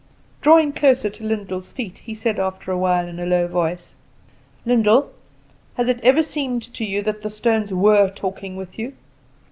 Drawing closer to Lyndall's feet, he said after a while in a low voice: "Lyndall, has it never seemed to you that the stones were talking with you?